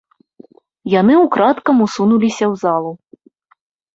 Яны ўкрадкам усунуліся ў залу.